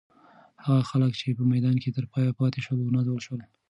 هغه خلک چې په میدان کې تر پایه پاتې شول، ونازول شول.